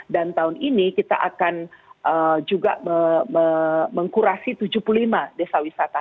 dan tahun ini kita akan juga mengkurasi tujuh puluh lima desa wisata